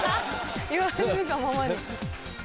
言われるがままに。